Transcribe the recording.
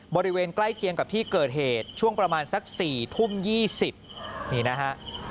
บริเวณใกล้เคียงกับที่เกิดเหตุช่วงประมาณสัก๔ทุ่ม๒๐นี่นะฮะ